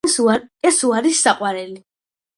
კესო არის საყვარელი!